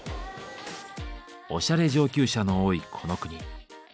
おしゃれ上級者の多いこの国。